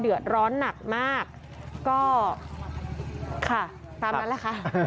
เดือดร้อนหนักมากก็ค่ะตามนั้นแหละค่ะ